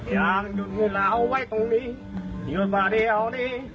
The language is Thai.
อยากหยุดเวลาไว้ตรงนี้หยุดมาแดดเดียวนี้